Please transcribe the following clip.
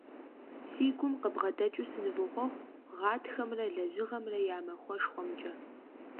Си гум къыбгъэдэкӏыу сынывохъуэхъу Гъатхэмрэ Лэжьыгъэмрэ я махуэшхуэмкӏэ!